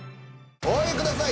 お上げください。